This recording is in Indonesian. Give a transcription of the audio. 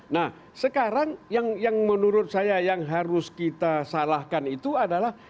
nah sekarang yang menurut saya yang harus kita salahkan itu adalah